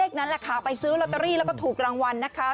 นั่นแหละค่ะไปซื้อลอตเตอรี่แล้วก็ถูกรางวัลนะคะ